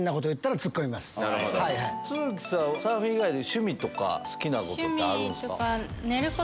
都筑さんサーフィン以外で趣味とか好きなことってある？